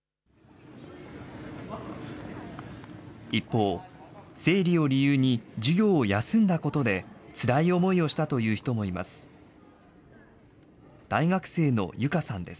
一方、生理を理由に授業を休んだことで、つらい思いをしたという人もいます。